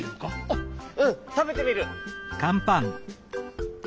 あっうんたべてみる。